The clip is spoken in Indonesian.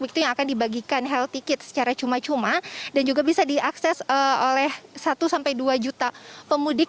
begitu yang akan dibagikan health ticket secara cuma cuma dan juga bisa diakses oleh satu sampai dua juta pemudik